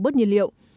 bất đồng lớn hơn